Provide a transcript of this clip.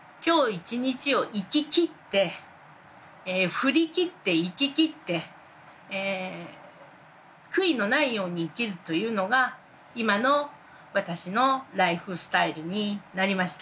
振りきって生ききって悔いのないように生きるというのが今の私のライフスタイルになりました。